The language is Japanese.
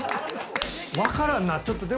わからんな。